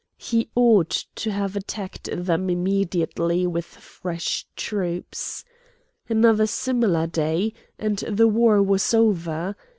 He ought to have attacked them immediately with fresh troops. Another similar day and the war was over!